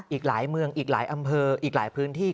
อีกหลายเมืองอีกหลายอำเภออีกหลายพื้นที่